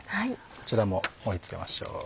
こちらも盛り付けましょう。